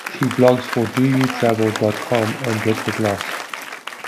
She blogs for doyoutravel dot com and Get the Gloss.